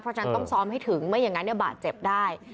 เพราะฉะนั้นต้องซ้อมให้ถึงไม่อย่างนั้นบาดเจ็บได้